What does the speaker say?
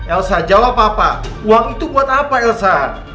elsa jawab apa apa uang itu buat apa elsa